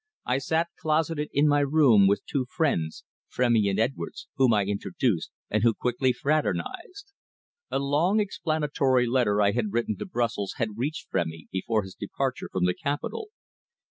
I sat closeted in my room with two friends, Frémy and Edwards, whom I introduced and who quickly fraternised. A long explanatory letter I had written to Brussels had reached Frémy before his departure from the capital.